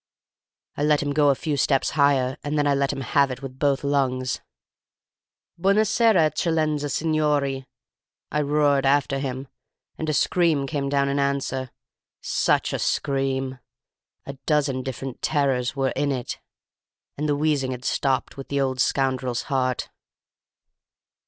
I let him go a few steps higher, and then I let him have it with both lungs. "'Buona sera, eccellenza, signorì!' I roared after him. And a scream came down in answer—such a scream! A dozen different terrors were in it; and the wheezing had stopped, with the old scoundrel's heart.